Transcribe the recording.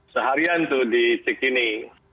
seharian itu di cikini